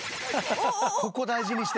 ここ大事にしてる。